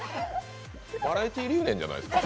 バラエティー留年じゃないですか？